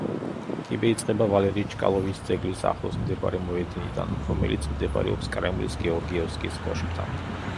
კიბე იწყება ვალერი ჩკალოვის ძეგლის ახლოს მდებარე მოედნიდან, რომელიც მდებარეობს კრემლის გეორგიევსკის კოშკთან.